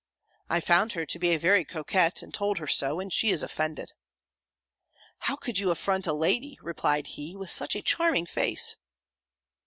"I found her to be a very coquette; and told her so; and she is offended." "How could you affront a lady," replied he, "with such a _charming face?